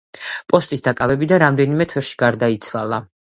პოსტის დაკავებიდან რამდენიმე თვეში გარდაიცვალა.